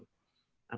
tapi kalau tv lama itu